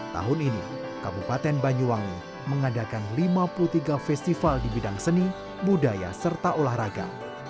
tahun ini kabupaten banyuwangi mengadakan lima puluh tiga festival di bidang seni budaya serta olahraga